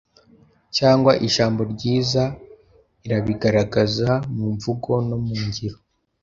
cyangwa ijambo ryiza irabigaragaza mu mvugo no mu ngiro.